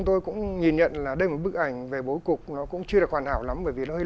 tôi rất xúc động bức ảnh này